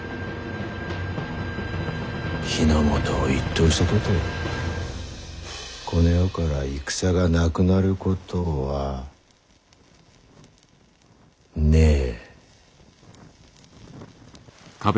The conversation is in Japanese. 日ノ本を一統したとてこの世から戦がなくなることはねえ。